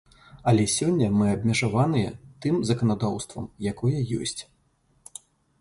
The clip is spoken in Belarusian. Але сёння мы абмежаваныя тым заканадаўствам, якое ёсць.